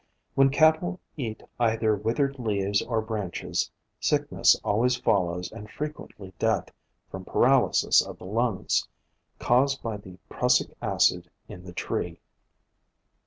When cattle eat either withered leaves or branches, sickness always follows and frequently death, from paralysis of the lungs caused by the prussic acid in the tree.